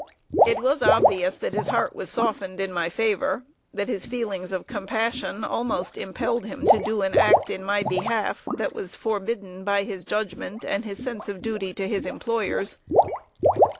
It was obvious that his heart was softened in my favor; that his feelings of compassion almost impelled him to do an act in my behalf, that was forbidden by his judgment, and his sense of duty to his employers.